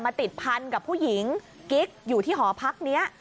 ติดพันกับผู้หญิงกิ๊กอยู่ที่หอพักนี้